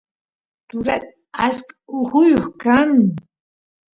turat achka ujuy kan